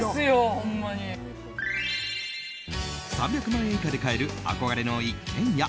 ３００万円以下で買える憧れの一軒家。